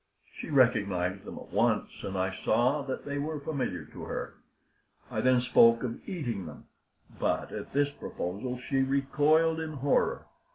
She recognized them at once, and I saw that they were familiar to her. I then spoke of eating them, but at this proposal she recoiled in horror.